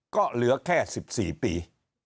ก็เหลือแค่๑๔ปี